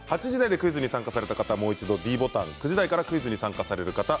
８時台でクイズに参加された方もう一度ｄボタン、９時台からクイズに参加される方